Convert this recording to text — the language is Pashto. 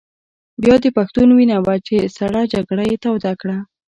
بیا د پښتون وینه وه چې سړه جګړه یې توده کړه.